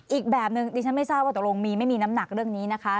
อีกแบบนึงดิฉันไม่ทราบว่าตกลงมีไม่มีน้ำหนักเรื่องนี้นะคะ